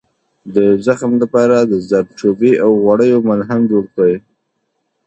د زخم لپاره د زردچوبې او غوړیو ملهم جوړ کړئ